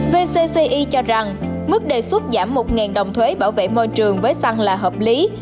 vcci cho rằng mức đề xuất giảm một đồng thuế bảo vệ môi trường với xăng là hợp lý